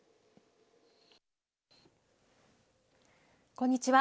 こんにちは。